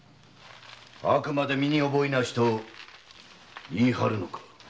あくまで身に覚えなしと言い張るのか！